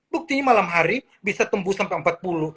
buktinya malam hari bisa tembus sampai empat puluh